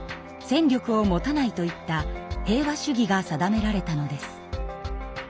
戦力を持たないといった平和主義が定められたのです。